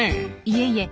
いえいえ。